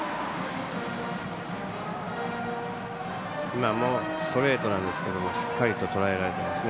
今もストレートなんですがしっかりととらえられていますね。